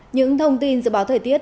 những thông tin dự báo thời tiết